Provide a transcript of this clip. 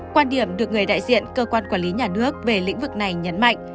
quan điểm được người đại diện cơ quan quản lý nhà nước về lĩnh vực này nhấn mạnh